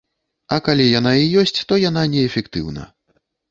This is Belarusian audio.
А калі яна і ёсць, то яна неэфектыўна.